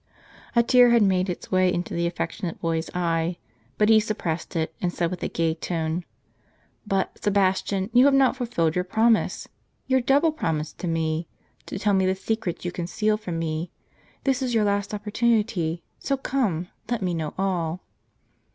A tear had made its way into the affectionate boy's eye ; but he suppressed it, and said with a gay tone :" But, Sebastian, you have not fulfilled your promise, — your double promise to me, — to tell me the secrets you con cealed from me. This is your last opportunity ; so, come, let me know all."